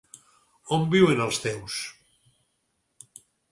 On viuen els teus??